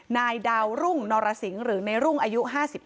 นายดาวรุ่งนรสิงหรือในรุ่งอายุ๕๙